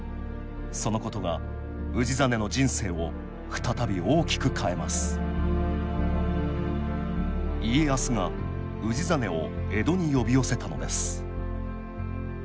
そのことが氏真の人生を再び大きく変えます家康が氏真を江戸に呼び寄せたのです